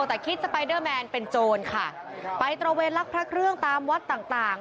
แต่คิดสไปเดอร์แมนเป็นโจรค่ะไปตระเวนลักพระเครื่องตามวัดต่างต่าง